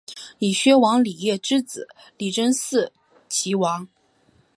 以薛王李业之子李珍嗣岐王。